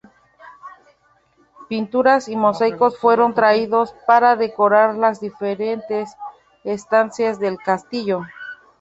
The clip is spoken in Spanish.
Pinturas y mosaicos fueron traídos para decorar las diferentes estancias del castillo.